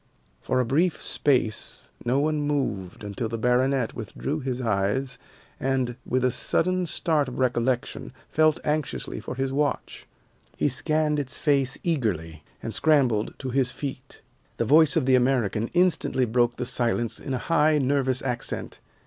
For a brief space no one moved until the baronet withdrew his eyes and, with a sudden start of recollection, felt anxiously for his watch. He scanned its face eagerly, and scrambled to his feet. The voice of the American instantly broke the silence in a high, nervous accent.